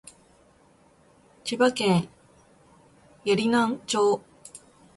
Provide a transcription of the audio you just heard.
千葉県鋸南町